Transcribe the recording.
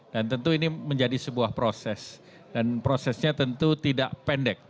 dan tentu ini menjadi sebuah proses dan prosesnya tentu tidak pendek